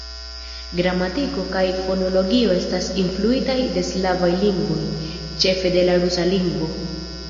Gramatiko kaj fonologio estas influitaj de slavaj lingvoj, ĉefe de la rusa lingvo.